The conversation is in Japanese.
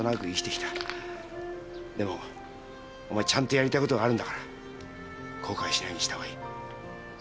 でもお前はちゃんとやりたいことがあるんだから後悔しないようにしたほうがいい。